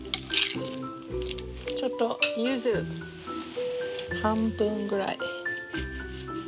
ちょっとゆず半分ぐらい。